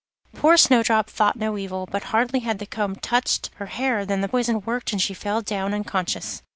Poor Snowdrop thought no evil, but hardly had the comb touched her hair than the poison worked and she fell down unconscious.